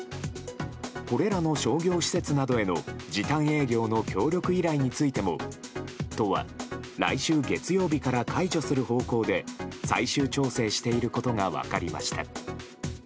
これらの商業施設などへの時短営業の協力依頼についても都は、来週月曜日から解除する方向で最終調整していることが分かりました。